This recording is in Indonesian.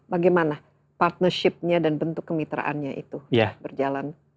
bagaimana partnership nya dan bentuk kemitraannya itu berjalan